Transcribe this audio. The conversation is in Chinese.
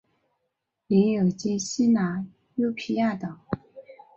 领有今希腊优卑亚岛。